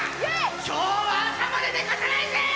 今日は朝まで寝かさないぜー！